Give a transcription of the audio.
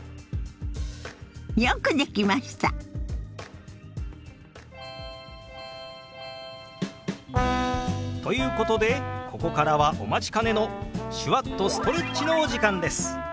よくできました！ということでここからはお待ちかねの手話っとストレッチのお時間です！